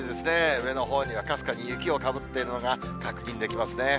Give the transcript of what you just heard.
上のほうにはかすかに雪をかぶっているのが確認できますね。